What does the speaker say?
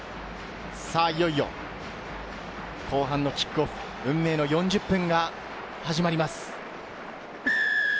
いよいよ後半のキックオフ、運命の４０分が始まります。